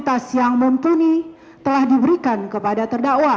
di saat semua fasilitas yang mumpuni telah diberikan keadaan yang tidak layak